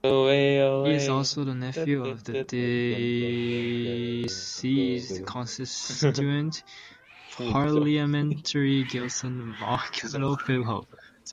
He is also the nephew of the deceased constituent parliamentary Gilson Machado Filho.